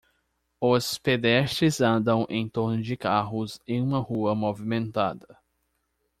Os pedestres andam em torno de carros em uma rua movimentada.